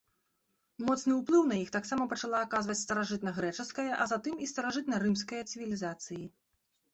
Моцны ўплыў на іх таксама пачала аказваць старажытнагрэчаская, а затым і старажытнарымская цывілізацыі.